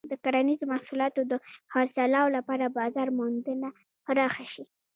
د کرنیزو محصولاتو د خرڅلاو لپاره بازار موندنه پراخه شي.